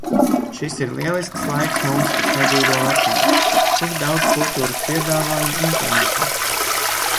Šis ir lielisks laiks mums, kas nedzīvo Latvijā. Tik daudz kultūras piedāvājumu internetā.